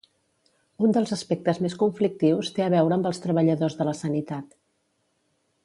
Un dels aspectes més conflictius té a veure amb els treballadors de la sanitat.